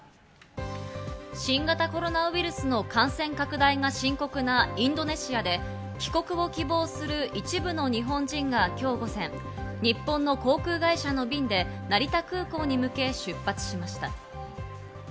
新型コロナウイルスの感染拡大が深刻なインドネシアで、帰国を希望する一部の日本人がきょう午前、日本の航空会社の便で成田空港に向け出発しました。